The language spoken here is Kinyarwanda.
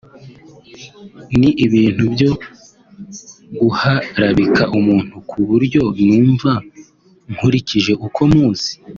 ni ibintu byo guharabika umuntu ku buryo numva nkurikije uko muzi